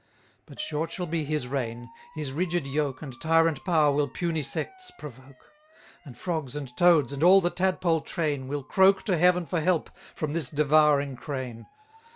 But short shall be his reign: his rigid yoke And tyrant power will puny sects provoke; And frogs and toads, and all the tadpole train, Will croak to heaven for help, from this devouring crane.